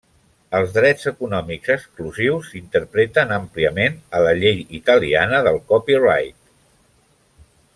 Els drets econòmics exclusius s'interpreten àmpliament a la llei italiana del copyright.